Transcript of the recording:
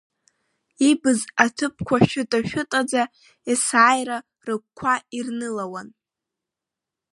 Ибз аҭыԥқәа шәыта-шәытаӡа есааира рыгәқәа ирнылауан…